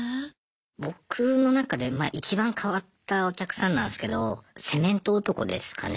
僕の中でいちばん変わったお客さんなんですけどセメント男ですかね。